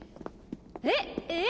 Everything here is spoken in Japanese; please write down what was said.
えっ？えっ！？